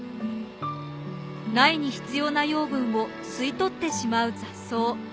苗に必要な養分を吸い取ってしまう雑草。